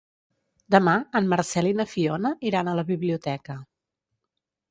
Demà en Marcel i na Fiona iran a la biblioteca.